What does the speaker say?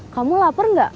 kamu lapar enggak